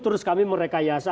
terus kami merekayasa